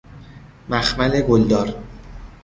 مخمل گلدار